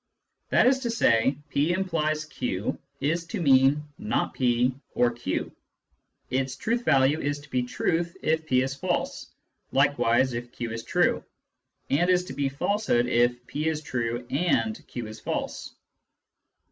That is to say, " p implies q " is to mean " not /) or q ": its truth value is to be truth if p is false, likewise if q is true, and is to be falsehood if p is true and q is false.